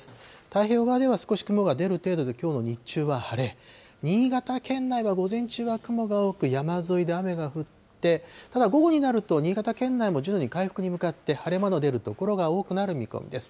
太平洋側では少し雲が出る程度で、きょうの日中は晴れ、新潟県内は午前中は雲が多く、山沿いで雨が降って、ただ午後になると新潟県内も徐々に回復に向かって、晴れ間の出る所が多くなる見込みです。